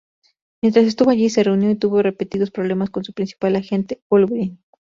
Mientras estuvo allí, se reunió y tuvo repetidos problemas con su principal agente Wolverine.